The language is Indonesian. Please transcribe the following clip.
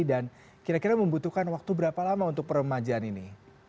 dan kira kira membutuhkan waktu berapa lama untuk peremajaan ini